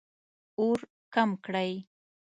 اور کم کړئ